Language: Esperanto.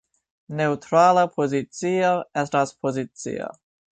Neǔtrala pozicio estas pozicio.